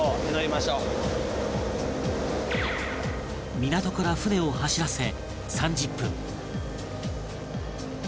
港から船を走らせ３０分